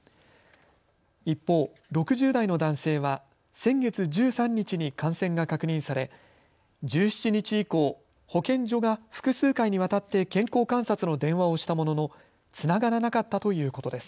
一方、６０代の男性は先月１３日に感染が確認され１７日以降、保健所が複数回にわたって健康観察の電話をしたもののつながらなかったということです。